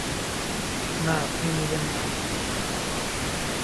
না, আপনি নিবেন না।